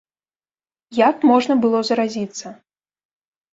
Як можна было заразіцца?